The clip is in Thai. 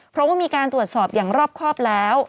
เพราะว่ามีการตรวจสอบอย่างรอบครอบแล้ว